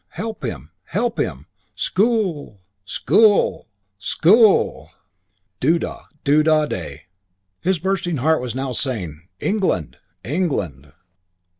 Help him! Help him! Schoo o ool! Schoo oo ool! Schoo oo ool!" Doo da! Doo da! Day! His bursting heart was now saying, "England! England!"